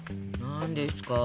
何ですか？